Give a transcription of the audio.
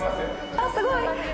あっすごい！